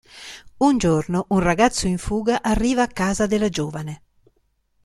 Un giorno un ragazzo in fuga arriva a casa della giovane.